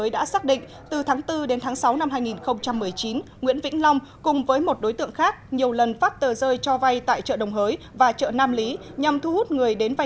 đối tượng nguyễn vĩnh long có quyết định truy nã ngày hai mươi chín tháng chín